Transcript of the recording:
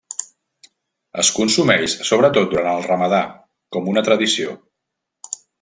Es consumeix sobretot durant el Ramadà, com una tradició.